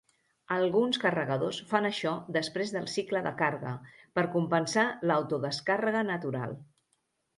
Alguns carregadors fan això després del cicle de carga, per compensar l"auto-descàrrega natural.